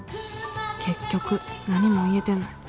結局何も言えてない。